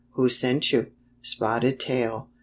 Who sent you?" " Spotted Tail."